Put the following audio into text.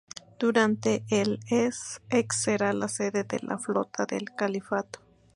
Durante el s. X será la sede de la flota del califato.